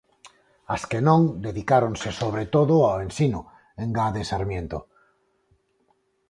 As que non, dedicáronse sobre todo ao ensino, engade Sarmiento.